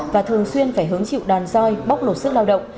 và thường xuyên phải hướng chịu đoàn roi bóc lột sức lao động